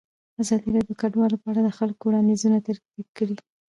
ازادي راډیو د کډوال په اړه د خلکو وړاندیزونه ترتیب کړي.